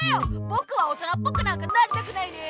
ぼくは大人っぽくなんかなりたくないね！